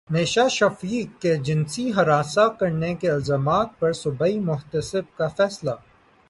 میشا شفیع کے جنسی ہراساں کرنے کے الزامات پر صوبائی محتسب کا فیصلہ